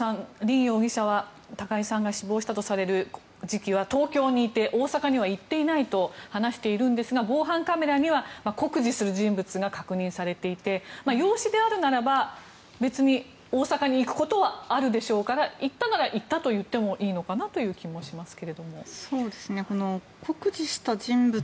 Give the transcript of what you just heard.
中野さん、凜容疑者は高井さんが死亡したとされる時期は東京にいて大阪には行っていないと話しているんですが防犯カメラには酷似する人物が確認されていて養子であるならば別に大阪に行くことはあるでしょうから、行ったなら行ったと言ってもいいのかなという気もしますが。